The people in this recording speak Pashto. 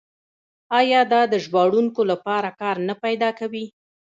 آیا دا د ژباړونکو لپاره کار نه پیدا کوي؟